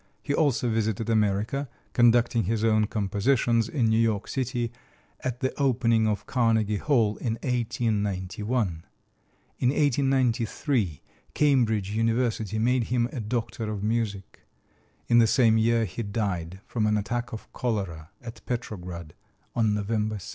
He also visited America, conducting his own compositions in New York City at the opening of Carnegie Hall in 1891. In 1893 Cambridge University made him a doctor of music. In the same year he died from an attack of cholera at Petrograd, on November 6.